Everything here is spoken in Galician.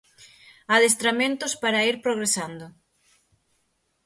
Adestramentos para ir progresando.